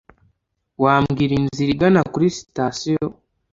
wambwira inzira igana kuri sitasiyo?